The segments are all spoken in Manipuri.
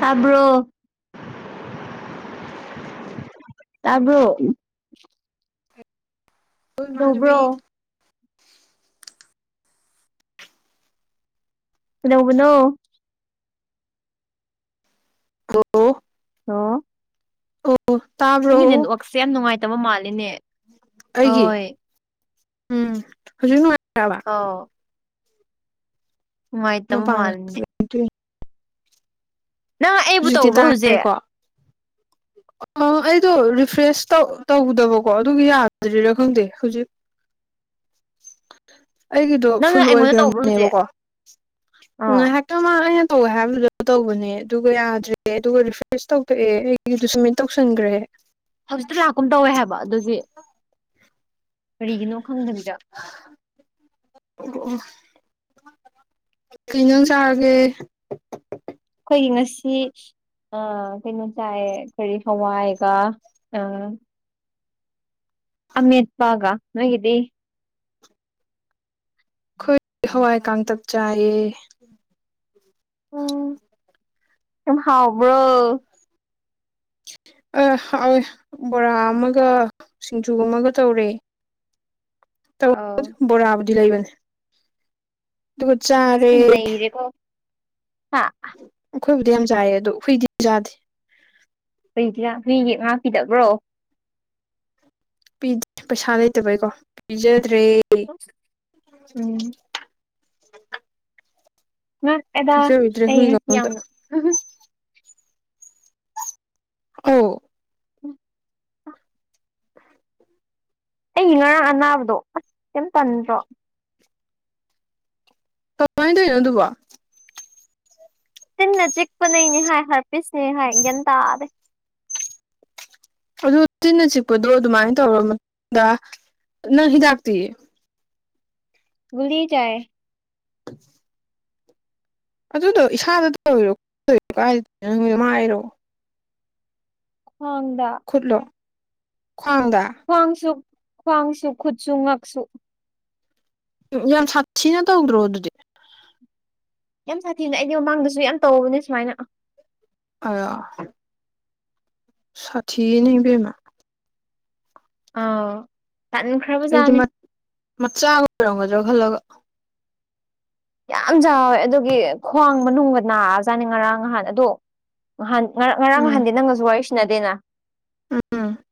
ꯇꯥꯕ꯭ꯔꯣ ꯇꯥꯔꯕ ꯑꯩꯈꯣꯏ ꯃꯕꯤ ꯀꯩꯗꯧꯕ꯭ꯔꯣ ꯅꯧꯕꯅꯣ ꯀꯣ ꯁꯣ ꯎꯇꯥꯕ꯭ꯔꯣ ꯑꯛꯁꯦ ꯌꯥꯝ ꯅꯨꯡꯉꯥꯏꯇꯕ ꯃꯥꯜꯂꯤꯅꯦ ꯑꯩꯒꯤ ꯍꯣꯏ ꯎꯝ ꯍꯧꯖꯤꯛ ꯅꯨꯡꯉꯥꯏꯔꯕ ꯑ ꯅꯨꯡꯉꯥꯏꯇꯕ ꯄ ꯃꯥꯜꯂꯤꯅꯦ ꯅꯪ ꯑꯩꯕꯨ ꯇꯧꯕ꯭ꯔꯣ ꯍꯧꯖꯤꯛ ꯑ ꯑꯩꯗꯣ ꯔꯤꯐ꯭ꯔꯦꯁꯧ ꯇꯧꯗꯕꯀꯣ ꯑꯗꯨꯒꯤ ꯌꯥꯗ꯭ꯔꯤꯔꯥ ꯈꯪꯗꯦ ꯍꯧꯖꯤꯛ [inaudible] ꯑꯩꯒꯤꯗꯣ ꯅꯪꯅ ꯐꯨꯜ ꯑꯩꯉꯣꯟꯗ ꯇꯧꯕ꯭ꯔꯣ ꯍꯧꯖꯤꯛ ꯑꯣꯏꯈ꯭ꯔꯕꯅꯦꯕꯀꯣ ꯑꯥ ꯉꯥꯏꯍꯥꯛ ꯃ ꯑꯩꯅ ꯇꯧꯒꯦ ꯍꯥꯏꯕꯗꯨ ꯇꯧꯕꯅꯦ ꯑꯗꯨꯒ ꯌꯥꯗ꯭ꯔꯦ ꯑꯗꯨꯒ ꯔꯤꯐ꯭ꯔꯦꯁ ꯇꯧꯊꯣꯛꯑꯦ ꯑꯩꯒꯤꯗꯨꯁꯨ ꯃꯤꯠ ꯇꯧꯁꯟꯈ꯭ꯔꯦ ꯍꯧꯖꯤꯛꯇ ꯂꯥꯛꯀꯨꯝ ꯇꯧꯋꯦ ꯍꯥꯏꯕ ꯑꯗꯨꯒꯤ ꯀꯔꯤꯒꯤꯅꯣ ꯈꯪꯗꯕꯤꯗ ꯑ ꯎ ꯀꯩꯅꯣꯪ ꯁꯥꯥꯒꯦ ꯑꯩꯈꯣꯏꯒꯤ ꯉꯁꯤ ꯀꯩꯅꯣ ꯆꯥꯏ ꯀꯈꯣꯏ ꯍꯋꯥꯏꯒ ꯑꯥ ꯑꯃꯦꯠꯄꯒ ꯅꯣꯏꯒꯗꯤ ꯑꯩꯈꯣꯏ ꯍꯋꯥꯏ ꯀꯥꯡꯇꯞ ꯆꯥꯏꯌꯦ ꯍꯥꯎꯕ꯭ꯔ ꯑ ꯍ ꯕꯣꯔꯥ ꯑꯃꯒ ꯁꯤꯡꯖꯨ ꯑꯃꯒ ꯇꯧꯔꯦ ꯑꯧ ꯕꯔꯥꯕꯗꯤ ꯂꯩꯕꯅꯤ ꯑꯗꯨꯒꯕꯨ ꯆ ꯅꯩꯔꯣ ꯍꯥ ꯑꯩꯈꯣꯏꯕꯨꯗꯤ ꯌꯥꯝ ꯆꯥꯏꯌꯦ ꯑꯗꯣ ꯍꯨꯏꯗꯤ ꯌꯥꯗꯦ ꯀꯗꯤ ꯃꯤ ꯌꯦ ꯉꯥꯛꯄꯤꯗꯕ꯭ꯔꯣ ꯄꯤꯦ ꯄꯩꯁꯥ ꯂꯩꯇꯕꯩꯀꯣ ꯄꯤꯖꯗ꯭ꯔꯦ ꯎꯝ ꯉ ꯑꯦꯗꯥ ꯄꯤꯖꯕꯤꯗ꯭ꯔꯦ ꯍꯨꯏꯒ ꯑꯝꯇ ꯑꯩꯝꯅ ꯑꯣ ꯎꯝ ꯑꯩꯒꯤ ꯉꯔꯥꯡ ꯑꯅꯥꯕꯗꯣ ꯑꯁ ꯀꯔꯤꯝꯇꯟꯗ꯭ꯔꯣ ꯇꯃꯉꯥꯏꯅ ꯇꯣꯏꯩꯅꯅꯣ ꯑꯗꯨꯀꯣ ꯇꯤꯟꯅ ꯆꯤꯛꯄ ꯅꯩꯅꯦ ꯍꯥꯏ ꯍꯥꯔꯄꯤꯁꯅꯦ ꯍꯥꯏ ꯒ꯭ꯌꯥꯟ ꯇꯥꯗꯦ ꯑꯗꯨ ꯇꯤꯟꯅ ꯆꯤꯛꯄꯗꯣ ꯑꯗꯨꯃꯥꯏꯅ ꯇꯧꯔꯕ ꯃꯇꯨꯡꯗ ꯅꯪ ꯍꯤꯗꯥꯛꯇꯤ ꯂꯤ ꯆꯥꯏ ꯍ ꯑꯗꯨꯗꯣ ꯏꯁꯥꯗ ꯇꯧꯔꯣꯔ ꯀꯩꯗꯅꯣ ꯃꯥꯏꯔꯣ [unintelligible] ꯈꯨꯠꯂꯣ ꯈ꯭ꯋꯥꯡꯗ ꯈ꯭ꯋꯥꯡꯁꯨ ꯈ꯭ꯋꯥꯡꯁꯨ ꯈꯨꯠꯁꯨ ꯉꯥꯛꯁꯨ ꯎꯝ ꯌꯥꯝ ꯁꯥꯊꯤꯅ ꯇꯧꯗ꯭ꯔꯣ ꯑꯗꯨꯗꯤ ꯌꯥꯝ ꯁꯥꯊꯤꯅ ꯑꯩꯗꯤ ꯃꯃꯥꯡꯗꯁꯨ ꯌꯥꯝ ꯇꯧꯕꯅꯦ ꯁꯨꯃꯥꯏꯅ ꯑ ꯁꯥꯇꯤ ꯅꯩꯕꯃꯥ ꯑꯥ ꯑꯩꯗꯤ ꯇꯟꯈ꯭ꯔꯕꯖꯥꯠꯅꯤ ꯃꯆꯥ ꯑꯣꯏꯔꯝꯒꯗ꯭ꯔꯣ ꯈꯜꯂꯒ ꯌꯥꯝ ꯆꯥꯎꯋꯦ ꯑꯗꯨꯒꯤ ꯈ꯭ꯋꯥꯡ ꯃꯅꯨꯡꯗ ꯅꯥꯑꯖꯥꯠꯅꯤ ꯉꯔꯥꯡ ꯉꯍꯥꯟ ꯑꯗꯣ ꯉꯍꯥꯟ ꯉꯔꯥꯡ ꯉꯔꯥꯡ ꯎꯝ ꯅꯍꯥꯟꯗꯤ ꯅꯪꯒꯁꯨ ꯋꯥꯔꯤ ꯁꯅꯗꯦꯅ ꯎꯝ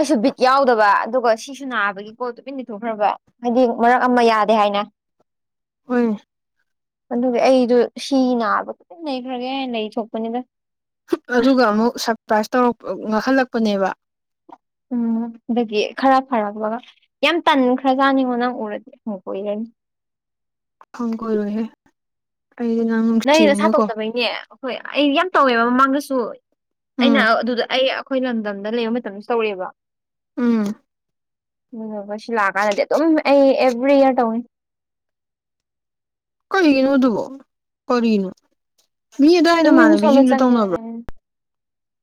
ꯑꯩꯁꯨ ꯕꯤꯠ ꯌꯥꯎꯗꯕ ꯑꯗꯨꯒ ꯁꯤꯁꯨ ꯅꯥꯕꯒꯤ ꯀꯣ ꯇꯨꯃꯤꯟ ꯂꯤꯊꯣꯛꯈ꯭ꯔꯕ ꯍꯥꯏꯗꯤ ꯃꯔꯛ ꯑꯃ ꯌꯥꯗꯦ ꯍꯥꯏꯅ ꯍꯣꯏ ꯑꯗꯨꯒꯤ ꯑꯩꯗꯣ ꯁꯤ ꯅꯥꯕꯒꯤ ꯂꯩꯈ꯭ꯔꯒꯦ ꯂꯩ ꯊꯣꯛꯄꯅꯤꯗ ꯑꯗꯨꯒ ꯑꯃꯨꯛ ꯁꯔꯄ꯭ꯔꯥꯏꯖ ꯇꯧꯔꯛꯄ ꯉꯥꯡꯍꯜꯂꯛꯄꯅꯦꯕ ꯎꯝ ꯑꯗꯒꯤ ꯈꯔ ꯐꯔꯛꯄꯒ ꯌꯥꯝ ꯇꯟꯈ꯭ꯔꯖꯥꯠꯅꯤꯡꯉꯣ ꯅꯪ ꯎꯔꯗꯤ ꯀꯨꯏꯔꯅꯤ ꯍꯣꯡ ꯀꯔꯣꯏꯍꯦ [unintelligible] ꯅꯪꯅ ꯁꯥꯗꯣꯛꯇꯕꯩꯅꯦ ꯑꯩ ꯌꯥꯝ ꯇꯧꯋꯦꯕ ꯃꯃꯥꯡꯗꯁꯨ ꯑꯩꯅ ꯎꯝ ꯑꯗꯨꯗ ꯑꯩ ꯑꯩꯈꯣꯏ ꯂꯝꯗꯝꯗ ꯂꯩꯕ ꯃꯇꯝꯁꯨ ꯇꯧꯔꯑꯦꯕ ꯎꯝ ꯑꯗꯨꯒ ꯁꯤ ꯂꯥꯛꯑꯀꯥꯟꯗꯗꯤ ꯑꯗꯨꯝ ꯑꯩ ꯑꯦꯚ꯭ꯔꯤ ꯏꯌꯥꯔ ꯇꯧꯅꯤ ꯀꯩꯒꯤꯅꯣꯗꯨꯕꯣ ꯀꯔꯤꯅꯣ ꯃꯤ ꯑꯗꯨꯋꯥꯏꯅ ꯏꯃ꯭ꯌꯨꯟ ꯁꯣꯟꯕ ꯃꯃꯅꯕꯤꯁꯤꯡꯁꯨ ꯆꯪꯉꯦ ꯇꯧꯅꯕ꯭ꯔꯣ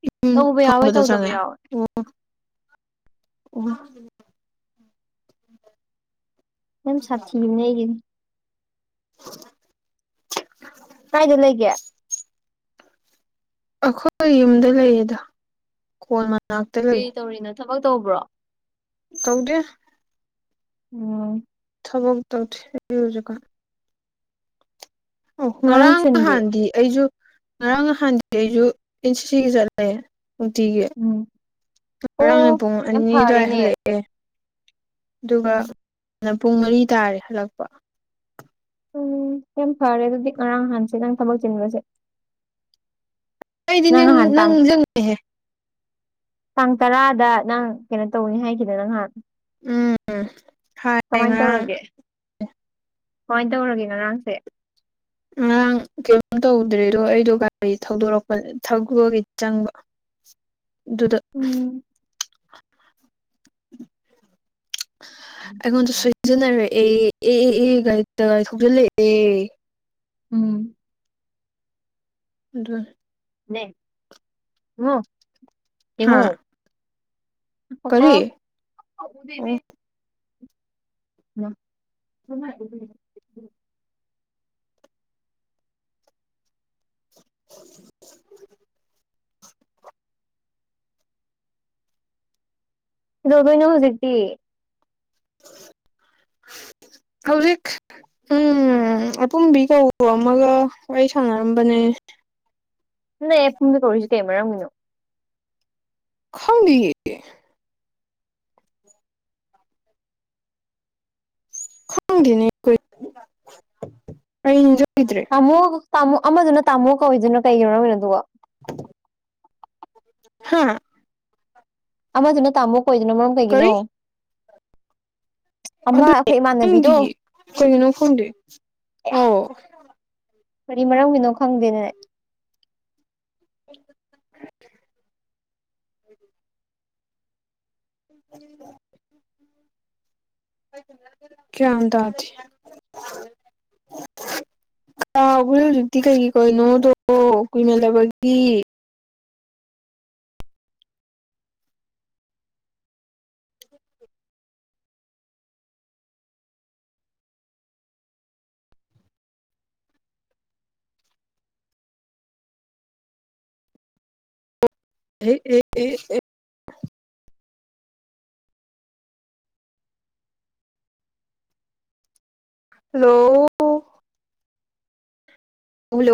ꯏꯨꯝ ꯇꯧꯕ ꯌꯥꯎꯋꯦ ꯐꯪꯕꯗ ꯇꯧꯗꯕ ꯆꯪꯉꯦ ꯑꯣ ꯌꯥꯎꯋꯦ [unintelligible] ꯌꯥꯝ ꯁꯥꯊꯤꯕꯅꯦ ꯑꯩꯒꯤꯗꯤ [unintelligible] ꯀꯥꯏꯗ ꯂꯩꯒꯦ ꯑꯩꯈꯣꯏ ꯌꯨꯝꯗ ꯂꯩꯌꯦꯗ ꯀꯣꯟ ꯃꯅꯥꯛꯇ ꯂꯩ ꯀꯩ ꯇꯧꯔꯤꯅꯣ ꯊꯕꯛ ꯇꯧꯕ꯭ꯔꯣ ꯇꯧꯗꯦ ꯎꯝ [unintelligible] ꯑꯣ ꯉꯔꯥꯡ ꯑꯉꯥꯡꯁꯤꯡꯗꯤ ꯅꯍꯥꯟꯗꯤ ꯑꯩꯁꯨ ꯉꯔꯥꯡ ꯅꯍꯥꯟꯗꯤ ꯑꯩꯁꯨ ꯑꯦꯟ ꯁꯤ ꯁꯤꯒꯤ ꯆꯠꯂꯦ ꯅꯨꯡꯇꯤꯒꯤ ꯎꯝ ꯉꯔꯥꯡꯅ ꯑꯣ ꯄꯨꯡ ꯌꯥꯝ ꯑꯅꯤ ꯑꯗꯨꯋꯥꯏ ꯐꯔꯦꯅꯦ ꯍꯜꯂꯛꯑꯦ ꯎꯝ ꯑꯗꯨꯒꯅ ꯄꯨꯡ ꯃꯔꯤ ꯇꯥꯔꯦ ꯍꯜꯂꯛꯄ ꯎꯝ ꯌꯥꯝ ꯐꯔꯦ ꯑꯗꯨꯗꯤ ꯉꯔꯥꯡ ꯍꯥꯟꯁꯦ ꯅꯪ ꯊꯕꯛ ꯆꯤꯟꯕꯁꯦ ꯅꯪ ꯅꯍꯥꯟ ꯇꯥꯡ ꯇꯥꯡ ꯇꯔꯥꯗ ꯅꯪ ꯀꯩꯅꯣ ꯇꯧꯅꯤ ꯍꯥꯏꯈꯤꯗ ꯅꯪꯍꯥꯟ ꯎꯝ ꯍꯥꯏ ꯀꯃꯥꯏꯅ ꯉꯔꯥꯡ ꯇꯧꯔꯒꯦ ꯀꯃꯥꯏꯅ ꯇꯧꯔꯒꯦ ꯉꯔꯥꯡꯁꯦ ꯉꯔꯥꯡ ꯀꯔꯤꯝ ꯇꯧꯗ꯭ꯔꯦꯗꯣ ꯑꯩꯗꯣ ꯒꯥꯔꯤ ꯊꯧꯗꯣꯔꯛꯄ ꯊꯒꯤ ꯆꯪꯕ ꯑꯗꯨꯗ ꯎꯝ ꯑꯩꯉꯣꯟꯗ ꯁꯣꯏꯖꯅꯔꯦ [unintelligible] ꯎꯝ ꯑꯗꯨ ꯍ ꯍꯥ ꯇꯉꯣ ꯍ ꯀꯣ ꯀꯔꯤ ꯑꯣ ꯎꯝ [unintelligible] ꯀꯩꯗꯣꯕꯅꯣ ꯍꯧꯖꯤꯛꯇꯤ [unintelligible] ꯍꯧꯖꯤꯛ ꯎꯝ ꯑꯄꯨꯝꯕꯤ ꯀꯧꯕ ꯑꯃꯒ ꯋꯥꯔꯤ ꯁꯥꯟꯅꯔꯝꯕꯅꯦ ꯅ ꯄꯨꯡꯗ ꯀꯧꯔꯤꯁꯤ ꯀꯩ ꯃꯔꯝꯒꯤꯅꯣ ꯈꯪꯅꯤ ꯍꯪꯒꯦꯅꯤ ꯀꯣꯏ ꯑꯩꯟꯖꯗ꯭ꯔꯦ ꯇꯥꯃꯣ ꯇꯥꯃꯣ ꯑꯃꯗꯨꯅ ꯇꯥꯃꯣ ꯀꯧꯏꯗꯨꯅꯣ ꯀꯩ ꯌꯧꯔꯝꯃꯤꯅꯣ ꯑꯗꯨꯒ [inaudible] ꯍꯥꯥ ꯑꯃꯗꯨꯅ ꯇꯥꯃꯣꯛ ꯀ ꯑꯣꯏꯗꯅ ꯃꯔꯝ ꯀꯩꯒꯤꯅꯣ ꯀꯔꯤ ꯑꯃ ꯑꯗꯨꯅꯦ ꯑꯩꯈꯣꯏ ꯈꯪꯗꯤ ꯏꯃꯥꯟꯅꯕꯤꯗꯣ ꯀꯔꯤꯅꯣ ꯈꯪꯗꯦ ꯑꯥꯎ ꯀꯔꯤ ꯃꯔꯝꯒꯤꯅꯣ ꯈꯪꯗꯦꯅꯅꯦ [inaudible] ꯎ ꯀꯌꯥꯝꯗꯖꯤ ꯍꯥꯎꯕꯦ ꯍꯧꯖꯤꯛꯇꯤ ꯀꯩꯒꯤ ꯀꯅꯣꯗꯣ ꯀꯨꯏꯃꯂꯕꯒꯤ ꯑꯦ ꯑꯦ ꯍꯜꯂꯣ